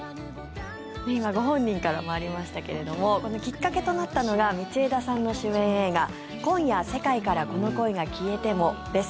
今ご本人からもありましたけれどもきっかけとなったのが道枝さんの主演映画「今夜、世界からこの恋が消えても」です。